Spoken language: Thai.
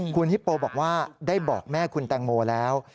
คุณฮิปโปบอกว่าได้บอกแม่คุณแตงโมแล้ว